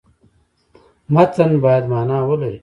متن باید معنا ولري.